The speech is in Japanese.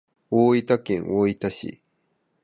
大分県大分市